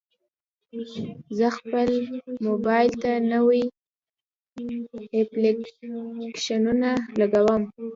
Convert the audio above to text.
زه خپل موبایل ته نوي اپلیکیشنونه لګوم.